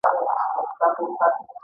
د هلمند په ګرمسیر کې د فلورایټ نښې شته.